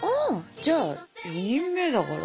じゃあ４人目だから。